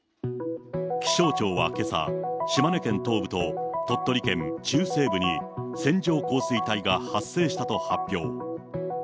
気象庁はけさ、島根県東部と鳥取県中西部に、線状降水帯が発生したと発表。